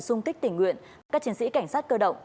xung kích tình nguyện các chiến sĩ cảnh sát cơ động